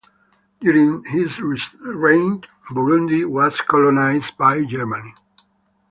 During his reign, Burundi was colonized by Germany.